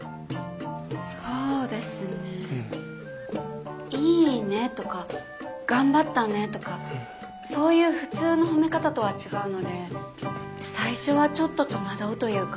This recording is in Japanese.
そうですねいいねとか頑張ったねとかそういう普通の褒め方とは違うので最初はちょっと戸惑うというか。